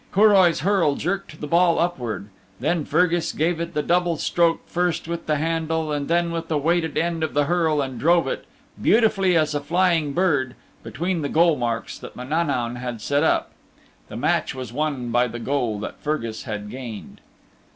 Curoi's hurl jerked the ball upward; then Fergus gave it the double stroke first with the handle and then with the weighted end of the hurl and drove it, beautifully as a flying bird, between the goal marks that Mananaun had set up. The match was won by the goal that Fergus had gained.